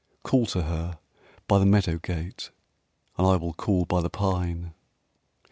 Call to her by the meadow gate, And I will call by the pine.